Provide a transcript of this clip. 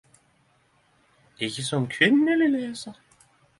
Ikkje som kvinneleg lesar.